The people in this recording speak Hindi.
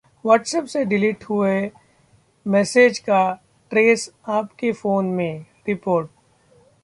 व्हाट्सएप से डिलीट किए हुए मैसेज का ट्रेस आपके फोन में: रिपोर्ट